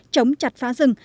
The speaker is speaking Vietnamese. chống chặt phá rừng